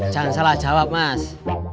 jangan salah jawab mas